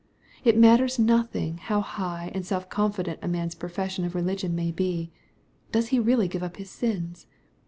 — ^It matters nothing how high and self confident a man's profession of religion may be. Does he really give up his sins